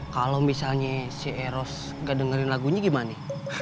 kalau misalnya si eros gak dengerin lagunya gimana